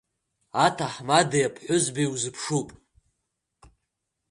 Аҭаҳмадеи аԥҳәызбеи узыԥшуп.